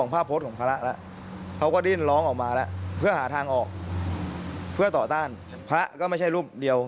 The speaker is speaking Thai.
พระรอยุคต่อต้านพระก็ไม่ใช่รูปเดียว